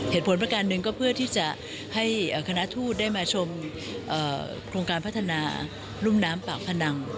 ประการหนึ่งก็เพื่อที่จะให้คณะทูตได้มาชมโครงการพัฒนารุ่มน้ำปากพนัง